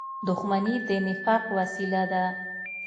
• دښمني د نفاق وسیله ده.